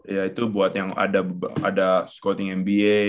ya itu buat yang ada scouting mba